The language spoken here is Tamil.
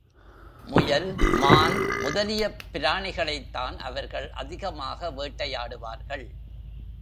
முயல், மான் முதலிய பிராணிகளைத் தான் அவர்கள் அதிகமாக வேட்டையாடுவார்கள்.